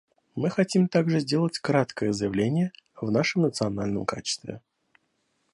Мы хотим также сделать краткое заявление в нашем национальном качестве.